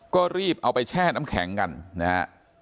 ก็รีบเอาไปแช่น้ำแข็งกันนะฮะ